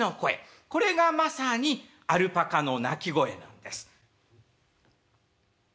これがまさにアルパカの鳴き声なんです。